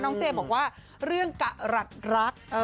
น้องเจมส์บอกว่าเรื่องกะรัดรัด